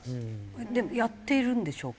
でもやっているんでしょうか？